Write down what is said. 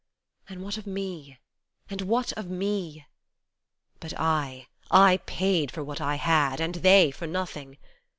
And what of me and what of me ? But I, I paid for what I had, and they for nothing.